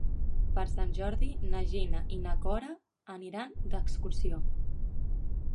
Per Sant Jordi na Gina i na Cora aniran d'excursió.